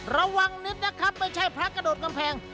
ระวังนิดไม่ใช่พระกระโดดกำแพง